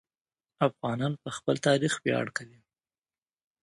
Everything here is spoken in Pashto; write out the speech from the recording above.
افغانان په خپل تاریخ ویاړ کوي.